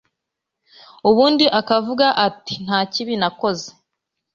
ubundi akavuga ati «Nta kibi nakoze»